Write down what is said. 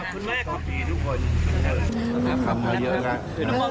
ขอบคุณทุกคนนะขอบคุณมากขอบคุณทุกคนทำมาเยอะครับ